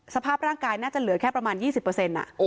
สภาพร่างกายน่าจะเหลือแค่ประมาณ๒๐